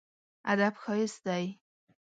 ادب ښايست دی.